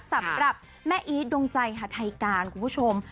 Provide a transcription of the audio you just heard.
สำหรับแม่อีทดวงใจฮาไทยการคุณผู้ชม